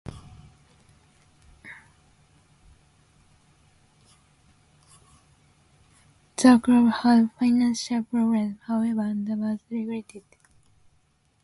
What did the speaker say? The club had financial problems, however, and was relegated.